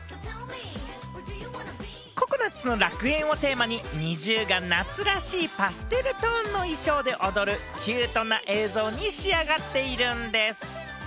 ココナッツの楽園をテーマにＮｉｚｉＵが夏らしいパステルトーンの衣装で踊るキュートな映像に仕上がっているんでぃす。